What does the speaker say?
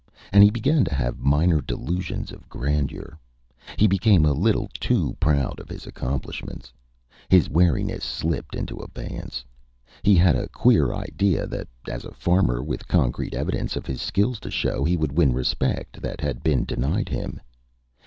And he began to have minor delusions of grandeur. He became a little too proud of his accomplishments. His wariness slipped into abeyance. He had a queer idea that, as a farmer with concrete evidence of his skills to show, he would win respect that had been denied him.